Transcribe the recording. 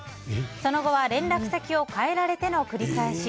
その後は連絡先を変えられての繰り返し。